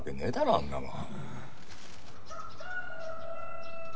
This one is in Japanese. そんなもん。